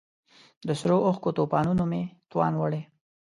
د سرو اوښکو توپانونو مې توان وړی